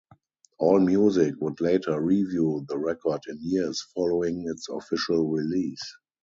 Allmusic would later review the record in years following its official release.